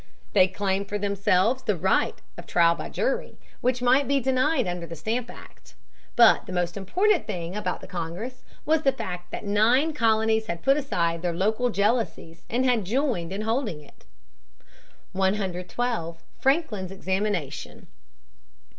They claimed for themselves the right of trial by jury which might be denied under the Stamp Act. But the most important thing about the congress was the fact that nine colonies had put aside their local jealousies and had joined in holding it. [Sidenote: Benjamin Franklin.] [Sidenote: Examined by the House of Commons.] 112. Franklin's Examination.